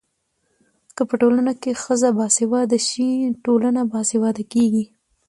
که په ټولنه کي ښځه باسواده سي ټولنه باسواده کيږي.